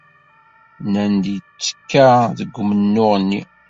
Nnan-d yettekka deg umennuɣ-nni.